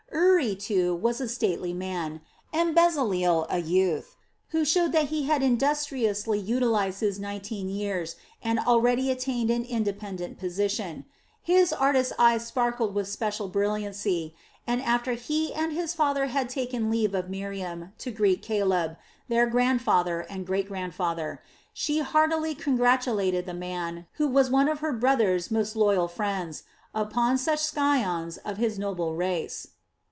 Uri, too, was a stately man, and Bezaleel a youth who showed that he had industriously utilized his nineteen years and already attained an independent position. His artist eye sparkled with special brilliancy, and after he and his father had taken leave of Miriam to greet Caleb, their grandfather and great grandfather, she heartily congratulated the man who was one of her brother's most loyal friends, upon such scions of his noble race.